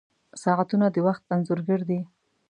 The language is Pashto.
• ساعتونه د وخت انځور ګر دي.